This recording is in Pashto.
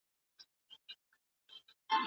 روژه چې څوک نيسي جانانه پېشلمی غواړي